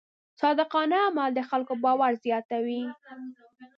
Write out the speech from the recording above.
صادقانه عمل د خلکو باور زیاتوي.